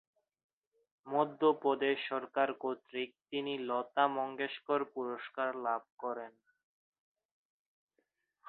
মধ্যপ্রদেশ সরকার কর্তৃক তিনি লতা মঙ্গেশকর পুরস্কার লাভ করেন।